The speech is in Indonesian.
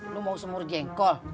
lo mau semur jengkol